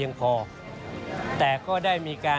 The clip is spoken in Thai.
ส่วนต่างกระโบนการ